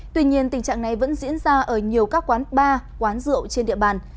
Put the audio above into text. tuy nhiên tình trạng này vẫn diễn ra ở nhiều các quán bar quán rượu trên địa bàn